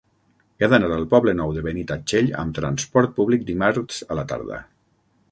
He d'anar al Poble Nou de Benitatxell amb transport públic dimarts a la tarda.